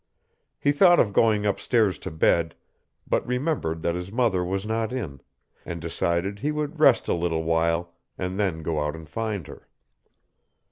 He thought of going up stairs to bed, but remembered that his mother was not in, and decided he would rest a little while and then go out and find her.